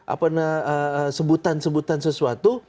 atau ada sebutan sesuatu